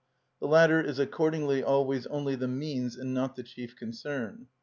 The latter is accordingly always only the means and not the chief concern.